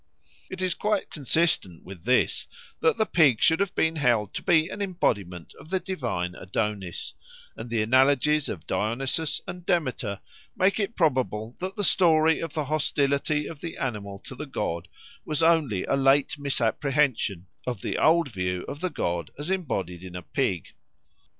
It is quite consistent with this that the pig should have been held to be an embodiment of the divine Adonis, and the analogies of Dionysus and Demeter make it probable that the story of the hostility of the animal to the god was only a late misapprehension of the old view of the god as embodied in a pig.